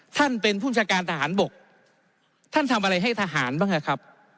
ท่านเป็นผู้บัญชาการทหารบกท่านทำอะไรให้ทหารบ้างครับ